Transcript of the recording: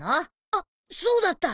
あっそうだった。